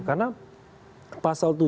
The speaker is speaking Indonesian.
karena pasal tujuh itu